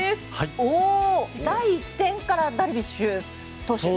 第１戦からダルビッシュ投手？